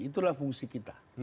itulah fungsi kita